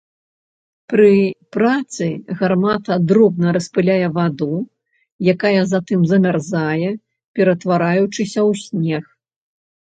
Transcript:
Пры працы гармата дробна распыляе ваду, якая затым замярзае, ператвараючыся ў снег.